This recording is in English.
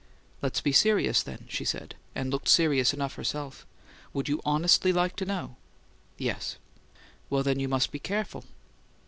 "Let's be serious then," she said, and looked serious enough herself. "Would you honestly like to know?" "Yes." "Well, then, you must be careful."